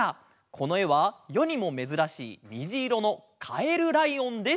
このえはよにもめずらしいにじいろのカエルライオンです。